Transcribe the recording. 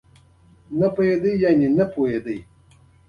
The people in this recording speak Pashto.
د کرنیزو محصولاتو بسته بندي باید معیاري وي.